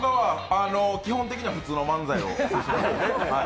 基本的には普通の漫才を、ええ。